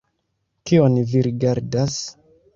Kion vi rigardas?